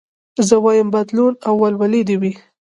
زه وايم بدلون او ولولې دي وي